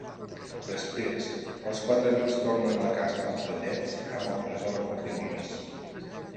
Després, els quatre amics tornen a casa dels vellets amb el tresor dels dimonis.